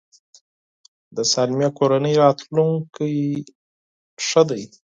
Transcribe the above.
د سالمې کورنۍ راتلونکی ښه دی.